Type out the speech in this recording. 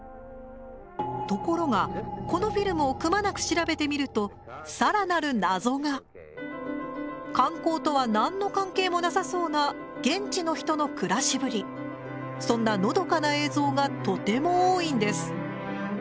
ところがこのフィルムをくまなく調べてみると観光とは何の関係もなさそうなそんなのどかな映像がとても多いんです。